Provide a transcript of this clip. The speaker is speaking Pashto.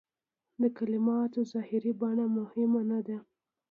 د کلماتو ظاهري بڼه مهمه نه ده.